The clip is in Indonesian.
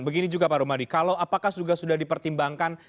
begini juga pak rumadi kalau apakah sudah dipertimbangkan